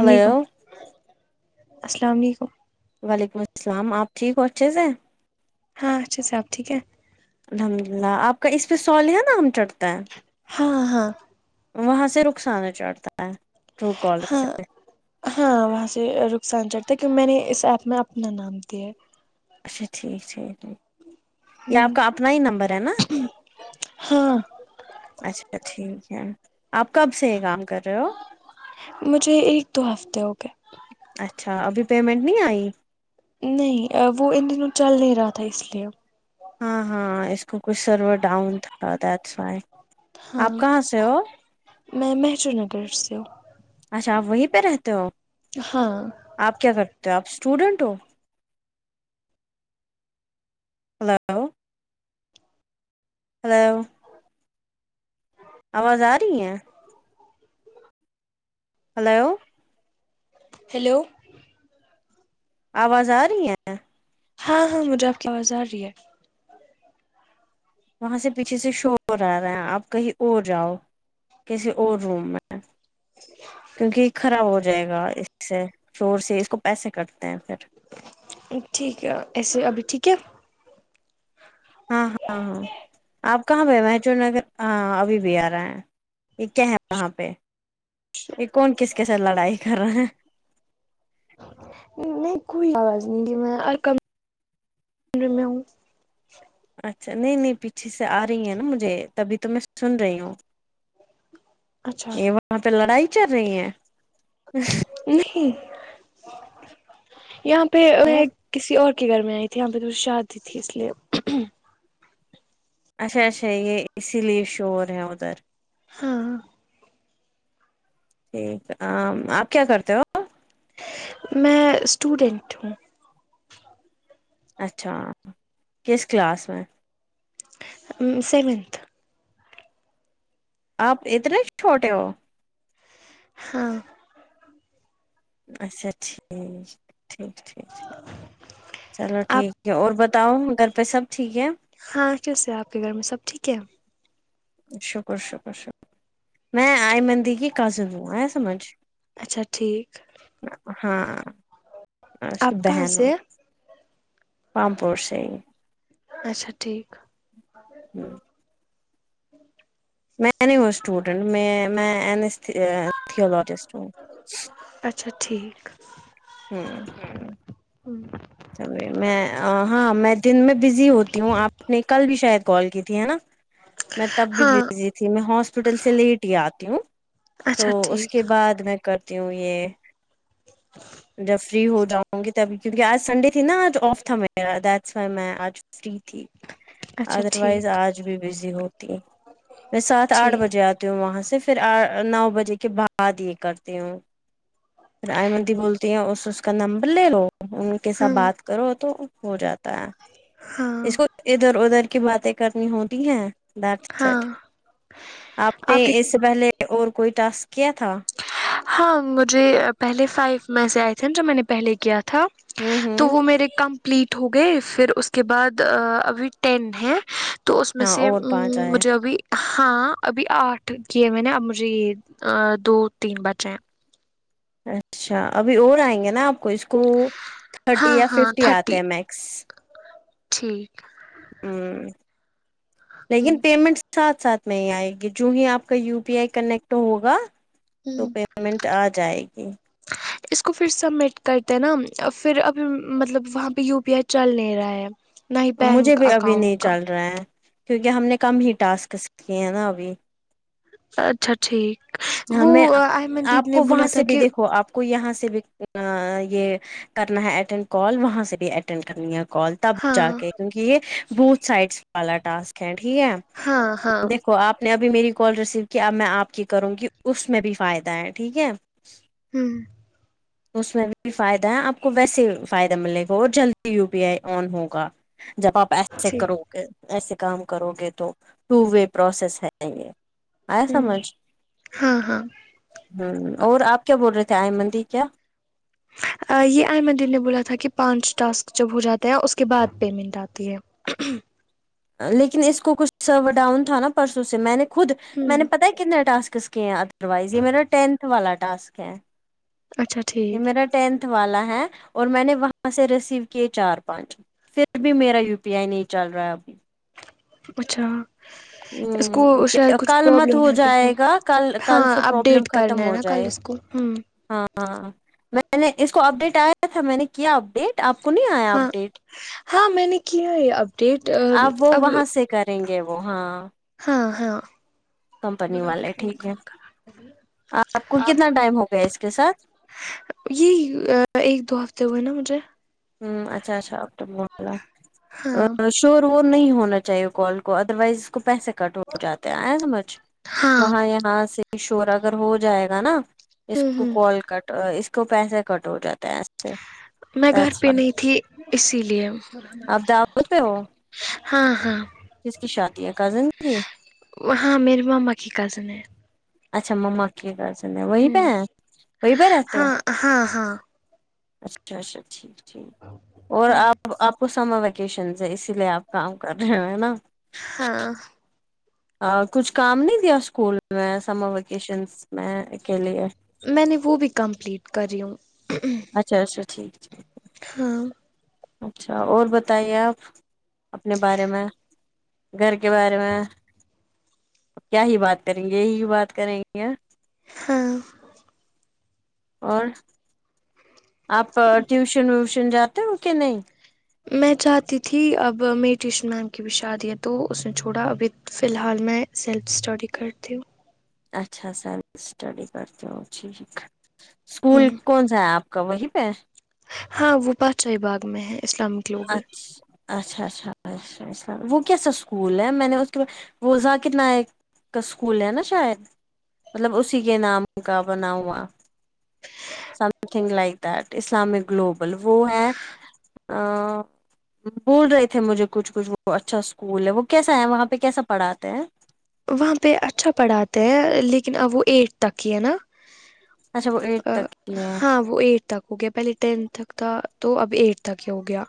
السلام علیکم السلام علیکم وعلیکم السلام آپ ٹھیک ہو اچھے سے ہاں اچھا سے اپ ٹھیک ہے الحمد للہ آپ کا اس پہ صالحہ نام چڑھتا ہے ہاں ہاں وہاں سے رخسانا چڑھتا ہے ٹرو کالر سے ہاں ہاں وہاں سے رخسان چڑھتا ہے کی میں نے اس ایپ میں اپنا نام دیا ہے اچھا ٹھیک ہے یہ آپ کا اپنا ہی نمبر ہے نا ہاں اچھا ٹھیک ہے آپ کب سے یہ کام کر رہے ہو مجھے ایک دو ہفتے ہو گئے اچھا ابھی پیمنٹ نہیں آئی نہیں وہ ان دنوں چل نہیں رہا تھا اس لیے ہاں ہاں اس کو کچھ سرور ڈاؤن تھا دیٹس وائی ہاں آپ کہاں سے ہو میں مہجر نگر سے ہوں اچھا آپ وہیں پہ رہتے ہو ہاں آپ کیا کرتے ہو آپ اسٹوڈینٹ ہو ہیلو ہیلو آواز آ رہی ہے ہیلو ہیلو آواز آ رہی ہے ہاں ہاں مجھے آپ کی آواز آ رہی ہے وہاں سے پیچھے سے شور ارا آپ کہیں اور جاؤ کسی اور روم میں کیونکہ خراب ہو جائے گا اس سے شور سے اس کو پیسے کٹتے ہیں پھر ٹھیک ہے ایسے ابھی ٹھیک ہے ہاں ہاں ہاں آپ کہاں پہ ہیں مچور نگر ہاں ابھی بھی آ رہا ہے یہ کیا ہے وہاں پہ یہ کون کس کے ساتھ لڑائی کر رہے ہیں نہیں کوئی آواز نہیں میں اور کمرے میں ہوں اچھا نہیں نہیں پیچھے سے آ رہی ہیں نا مجھے تبھی تو میں سن رہی ہوں اچھا یہ وہاں پہ لڑائی چل رہی ہے نہیں یہاں پہ تو [unintelligible] کسی اور کے گھر میں آئی تھی یہاں پہ تو شادی تھی اس لیے اچھا اچھا یہ اسی لیے شور ہے ادھر ہاں ٹھیک ام آپ کیا کرتے ہو میں اسٹوڈنٹ ہوں اچھا کس کلاس میں سیونتھ آپ اتنے چھوٹے ہو ہاں اچھا ٹھیک ٹھیک ٹھیک چلو آپ ٹھیک ہے اور بت اؤ گھر پہ سب ٹھیک ہے ہاں چس سے آپ کے گھر میں سب ٹھیک ہے شکر شکر شکر میں آئیمن دی کی کازن ہوں ایا سمجھ اچھا ٹھیک ہاں میں اسکی آپ کہاں بہن ہو سے ہیں؟ رامپور سے اچھا ٹھیک ہمم میں نہیں ہوں اسٹوڈنٹ م میں این ای اس تھیولوجسٹ ہوں اچھا ٹھیک ہوں ہوں میں ہاں میں دن میں بزی ہوتی ہوں آپ نے کل بھی شاید کال کی تھی ہے نا میں تب بھی ہاں بزی میں ہاسپٹل سے لیٹ ہی آتی ہوں تو اچھا اس ٹھیک کے بعد میں کرتی ہوں یہ جب فری ہو جاؤ گی تب کیونکہ آج سنڈے تھی نا آج آف تھا میرا دیٹس وائی میں آج فری تھی اچھا ادر وائز ٹھیک آج بھی بزی ہوتی میں سات آٹھ ٹھیک بجے آتی ہوں وہاں سے پھر نو بجے کے بعد یہ کرتی ہوں ائیمن دی بولتی ہیں اس اس کا نمبر لے لو ان ہاں ساتھ بات کرو تو ہو جاتا ہے ہاں اس کو ادھر ادھر کی باتیں کرنی ہوتی ہیں دھٹس ہاں اٹ آپ نے اس سے پہلے اور کوئی ٹاسک کیا تھا ہاں مجھے پہلے فائیو میں سے آئے تھے نا جو میں نے پہلے کیا تھا ہوں تو ہوں وہ میرے کم پلیٹ ہو گئے پھر اس کے بعد ابھی ٹین ہے تو اس میں ہاں سے اور پانچ آئے مجھے ابھی ہاں ابھی آٹھ کیے میں نے اب مجھے دو تین بچے ہیں اچھا ابھی اور آئیں گے نا آپ کو اس کو تھرٹی ہاں یا ہاں ففٹی آتے تھرٹی ہیں میکس ٹھیک ہوں ہوں لیکن پیمنٹ ساتھ ساتھ میں ہی آئے گی جو ہی آپ کا یو پی آئی کنیکٹ ہوگا تو ہوں پ پیمنٹ آ جائے گی اس کو پھر سبمٹ کرتے نا پھر ابھی مطلب وہاں پہ یو پی آئی چل نہیںے رہا ہے نہ ہی مجھے بینک بھی ابھی اکاؤنٹ نہیں کا چل رہا ہے کیونکہ ہم نے کم ہی ٹاسک کیے ہیں نا ابھی اچھا ٹھیک وہ ہمیں آحمن دیدی آپ نے کو بولا وہاں تھا سے بھی کہ دیکھو آپ کو یہاں سے بھی یہ کرنا ہے اٹینڈ کال وہاں سے بھی اٹینڈ کرنی ہے کال تب ہاں جا کے کیونکہ یہ بوتھ سائڈس والا ٹاسک ہے ٹھیک ہے ہاں ہاں دیکھو آپ نے ابھی میری کال ریسیو کیا اب میں آپ کی کروں گی اس میں بھی فائدہ ہے ٹھیک ہے ہمم اس میں بھی فائدہ ہے آپ کو ویسے فائدہ ملے گا اور جلدی یو پی آئی آن ہوگا جب آپ ایسے ٹھیک کرو گے ایسے کام کرو گے تو ٹو وے پروسیس ہے یہ آیا ہوں سمجھ ہاں ہاں ہوں اور آپ کیا بول رہے تھے آئمن دی کیا یہ آئمن دی نے بولا تھا کہ پانچ ٹاسک جب ہو جاتا ہے اس کے بعد پیمنٹ آتی ہے لیکن اس کو کچھ سرور ڈاؤن تھا نا پرسوں سے میں نے خود میں نے پتا کتنے ٹسکس کا کیے ادر وائز یہ میرا ٹینتھ والا ٹاسک ہے اچھا یہ ٹھیک میرا ٹینتھ والا ہے اور میں نے وہاں سے ریسیو کیے چار پانچ پھر بھی میرا یو پی آئی نہیں چل رہا ہے ابھی اچھا اس کو ہ شاید کچھ کل مت پرابلم ہو ہے ابھی جائے گا کل کل سے پروابلم ختم ہو جائے ہمم ہاں ہاں میں نے اس کو اپڈیٹ آیا تھا میں نے کیا اپڈیٹ آپ کو نہیں آیا ہاں اپڈیٹ ہاں میں نے کیا یہ اپڈیٹ اب وہ وہاں سے کریں گے وہ ہاں ہاں ہاں کمپنی والے ٹھیک ہے آپ کو کتنا ٹائم ہو گیا اس کے ساتھ یہ ایک دو ہفتے ہوئے نا مجھے ہوں اچھا اچھا ا بلہ ہاں [unintelligible] شور وور نہیں ہونا چاہیے کال کو ادر وائز اس کو پیسے کٹ ہو جاتے آیا سمجھ ہاں وہاں یہاں سے شور اگر ہو جائے گا نا اس ہوں کو ہوں کال کٹ اس کو پیسے کٹ ہو جاتے ہیں ایج سے میں گھر پہ نہیں تھی اسی لیے اب دعوت پہ ہو ہاں ہاں کس کی شادی ہے کزن کی وہ ہاں میری مما کی کزن ہے اچھا مما کی کزن ہے وہیں پہ ہاں ہے وہیں پہ رہتے ہو ہاں ہاں ہاں اچھا اچھا ٹھیک ٹھیک اور آپ آپ وہ سمر ویکیشن سے ہے اسی لیے آپ کام کر رہے ہو نا ہاں ا کچھ کام نہیں دیا اسکول میں سمر ویکیشنس میں کے لیے میں نے وہ بھی کمپلیٹ کری ہوں اچھا اچھا ٹھیک ٹ ہاں اچھا اور بتائیے آپ اپنے بارے میں گھر کے بارے میں کیا ہی بات کریں گے یہی بات کریں گے ہاں اور آپ ٹیوشن ویوشن جاتے ہو کہ نہیں میں چاہتی تھی اب میری ٹیوشن میم کی بھی شادی ہے تو اس نے چھوڑا ابھی فی الحال میں سیلف اسٹڈی کرتی ہوں اچھا سیلف اسٹڈی کرتی ہو ٹھیک اسکول ہوں کون سا ہے آپ کا وہی پہ ہے ہاں وہ پاچشاہی باغ میں ہے اسلامک گلوبل اچھا اچھا اچھا ا چھا وہ کیسا اسکول ہے میں نے اس کے وہ ذاکیر ناںک کا سکول ہے نا شاید مطلب اسی کے نام کا بنا ہوا something like that Islamic global وہ ہے اں بول رہے تھے مجھے کچھ کچھ وہ اچھا اسکول ہے وہ کیسا ہے وہاں پہ کیسا پڑھاتے ہیں وہاں پہ اچھا پڑھاتے ہیں لیکن اب وہ ایٹھ تک کی ہے نا اچھا وہ ایٹ ا تک کی ہے ہاں وہ ایٹ تک ہو گیا پہلے ٹینتھ تک تھا تو اب ایٹھ تک ہی ہو گیا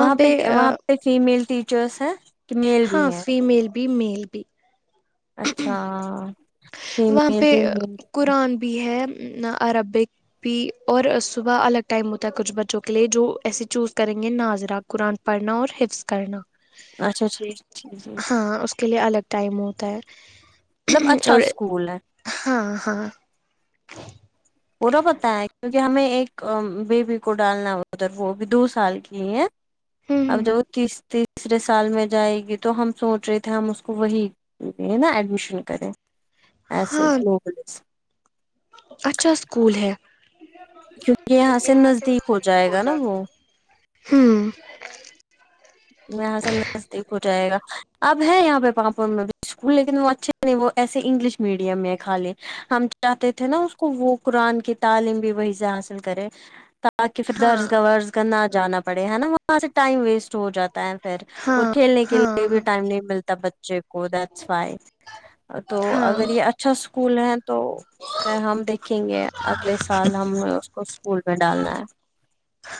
وہاں پہ کیا وہاں پہ فیمیل ٹیچرس ہیں کہ میل بھی ہاں ہیں فیمیل بھی میل بھی اچھا وہاں فیمیل پہ بھی میل قرآن بھی ہے عربک پ اور صبح الگ ٹائم ہوتا ہے کچھ بچوں کے لیے جو ایسے چوز کریں گے ناظرہ قرآن پڑھنا اور حفظ کرنا اچھا ٹھیک ٹھیک ہاں اس کے لیے الگ ٹائم ہوتا ہے مطلب اچھا اور سکول ہے ہاں ہاں پورا پاتا ہے کیونکہ ہمیں ایک بیبی کو ڈالنا ادھر وہ بھی دو سال کی ہے اب ہوں جب تیس تیسرے سال میں جائے گی تو ہم سوچ رہے تھے ہم اس کو وہی نا ایڈمیشن کرے ایسے ہاں اچھا اسکول ہے کیونکہ یہاں سے نزدیک ہو جائے گا نا وہ ہوں یہاں سے نزدیک ہو جائے گا اب ہے یہاں پہ پاپور میں بھی اسکول لیکن وہ اچھے وہ ایسے انگلش میڈیم میں کھالی ہم چاہتے تھے نا اس کو وہ قرآن کے تعلیم بھی وہی سے حاصل کرے تاکہ پھر ہاں درز گھا ورز گا نہ جانا پڑے ہے نا وہاں سے ٹائم ویسٹ ہو جاتا ہے پھر ہاں اور کھیلنے کے ہاں لیے بھی ہاں ٹائم نہیں ملتا ب چیے کو دٹس وائی تو ہاں اگر یہ اچھا اسکول ہے تو پہ ہم دیکھیں گے اگلے سال ہم نے اس کو اسکول میں ڈالنا ہے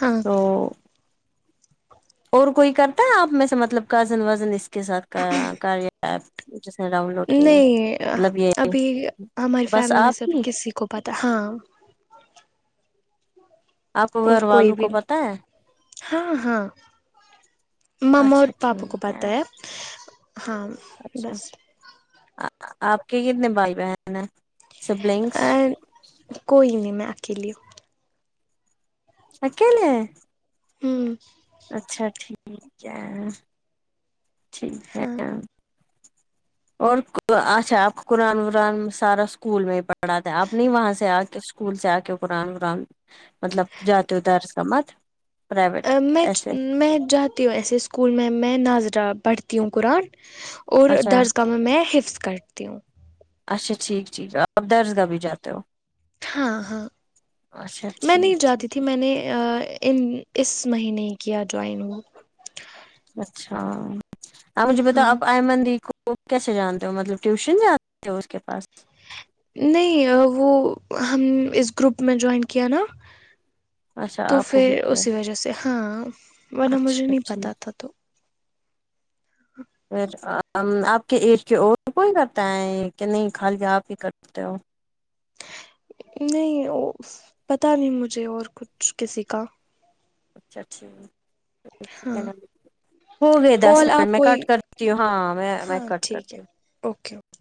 ہاں تو اور کوئی کرتا ہے آپ میں سے مطلب کزن وزن اس کے ساتھ کا ایپ جس نے ڈاؤن لوڈ کی ہے نہیں مطلب یہ ابھی ہماری بس فیملی میں آپ سے ابھی کی کسی کو پتہ ہاں آپ کو اور گھر کوئی والوں بھی کو پتا ہے ہاں ہاں مما اور اچھا پاپا کو ٹھیک پتہ ہے ہاں اچھا بس آپ کے کتنے بھائی بہن ہیں سبلنگس کوئی نہیں میں اکیلی ہوں اکلے ہے ہوں اچھا ٹھیک ہے ٹھیک ہے ہاں اور اچھا آپ قرآن ورآن سارا اسکول میں ہی پڑھ پڑھاتاہے آپ نہیں وہاں سے آ کے اسکول سے آ کے قرآن ورآن مطلب جاتے [unintelligible] ادار سبتھ پر میں میں جاتی ہوں ایسے اسکول میں میں ناظرہ پڑھتی ہوں قرآن اور اچھا درسگاہ میں میں حفظ کرتی ہوں اچھا ٹھیک ٹھیک آپ درس گاہ بھی جاتے ہو ہاں ہاں اچھا میں ٹھیک نہیں جاتی ت ٹھیک تھی میں نے ان اس مہینے ہی کیا جوائن وہ اچھا آپ مجھے ہاں بتاؤ آپ آئمن دی کو کیسے جانتے ہو مطلب ٹیوشن جاتے ہو اس کے پاس نہیں وہ ہم اس گروپ میں جوائن کیا نا اچھا تو آپ کو بھی پھر کیا اسی وجہ سے ہاں ورنہ مجھے اچھا نہیں ٹھیک پتہ تھا تو پھر آپ کے ایج کے اور کوئی کرتا ہے کہ نہیں خالی آپ ہی کر تے ہو نہیں پتہ نہیں مجھے اور کچھ کسی کا اچھا ٹھیک ہے ہاں ایک ہو گئے دس کال منٹ آپ میں کوئی کٹ کرتی ہوں ہاں میں میں کٹ کرتی ہوں اک